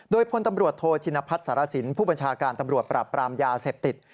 โดยพลตำรวจโทชินพัฒน์สารสินผู้บัญชาการตำรวจปราบปรามยาเสพติด